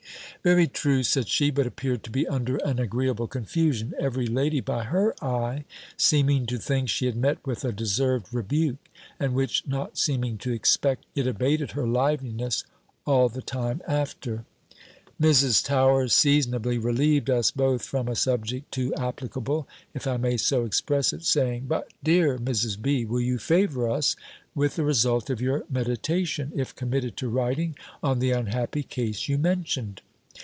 "Very true," said she; but appeared to be under an agreeable confusion, every lady, by her eye, seeming to think she had met with a deserved rebuke; and which not seeming to expect, it abated her liveliness all the time after. Mrs. Towers seasonably relieved us both from a subject too applicable, if I may so express it, saying "But, dear Mrs. B., will you favour us with the result of your meditation, if committed to writing, on the unhappy case you mentioned?"